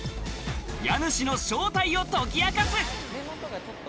家主の正体を解き明かす！